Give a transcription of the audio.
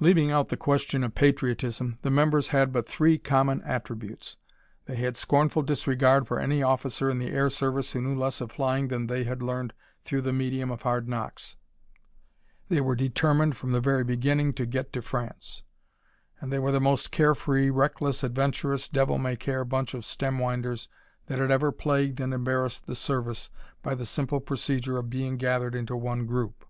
Leaving out the question of patriotism, the members had but three common attributes: They had scornful disregard for any officer in the air service who knew less of flying than they had learned through the medium of hard knocks; they were determined from the very beginning to get to France; and they were the most care free, reckless, adventurous, devil may care bunch of stem winders that had ever plagued and embarrassed the service by the simple procedure of being gathered into one group.